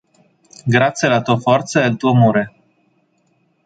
Grazie alla tua forza e al tuo amore.